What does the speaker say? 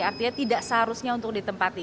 artinya tidak seharusnya untuk ditempati